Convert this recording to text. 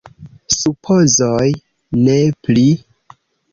Supozoj, ne pli.